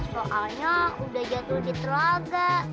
soalnya udah jatuh di telaga